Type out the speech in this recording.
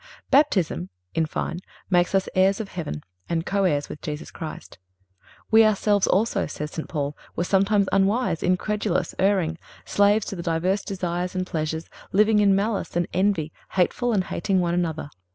(350) Baptism, in fine, makes us heirs of heaven and co heirs with Jesus Christ. "We ourselves also," says St. Paul, "were sometimes unwise, incredulous, erring, slaves to divers desires and pleasures, living in malice and envy, hateful, and hating one another.